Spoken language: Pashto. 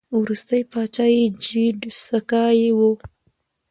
وروستی پاچا یې جیډ سکای و